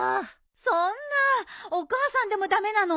そんなお母さんでも駄目なの？